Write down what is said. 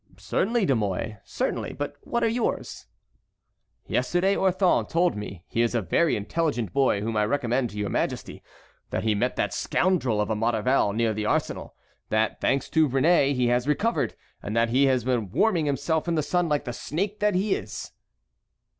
"Certainly, De Mouy, certainly, but what are yours?" "Yesterday Orthon told me (he is a very intelligent boy, whom I recommend to your majesty) that he met that scoundrel of a Maurevel near the arsenal, that thanks to Réné he has recovered, and that he was warming himself in the sun like the snake that he is."